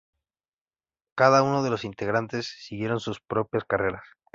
Cada uno de los integrantes siguieron sus propias carreras.